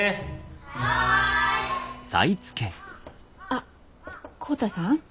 あっ浩太さん？